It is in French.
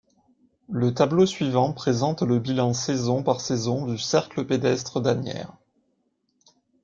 Le tableau suivant présente le bilan saison par saison du Cercle pédestre d'Asnières.